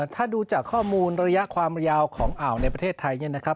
ถ้าดูจากข้อมูลระยะความยาวของอ่าวในประเทศไทยเนี่ยนะครับ